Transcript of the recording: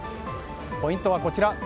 ポイントはこちら。